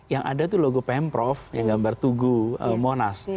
yang ada itu logo pemprov yang gambar tugu monas